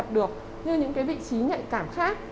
được như những vị trí nhạy cảm khác